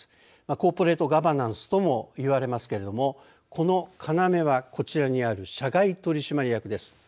コーポレートガバナンスともいわれますけれどもこのかなめはこちらにある社外取締役です。